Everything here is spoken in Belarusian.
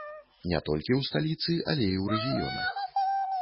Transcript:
Не толькі ў сталіцы, але і ў рэгіёнах.